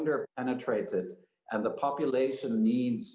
lebih banyak perkhidmatan